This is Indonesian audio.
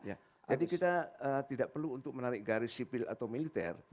jadi kita tidak perlu untuk menarik garis sipil atau militer